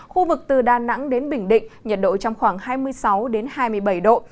khu vực từ đà nẵng đến bình định nhiệt độ trong khoảng hai mươi sáu hai mươi bảy độ